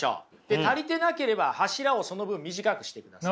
足りてなければ柱をその分短くしてください。